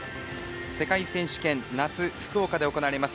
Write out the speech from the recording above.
世界選手権、夏、福岡で行われます